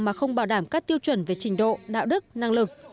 mà không bảo đảm các tiêu chuẩn về trình độ đạo đức năng lực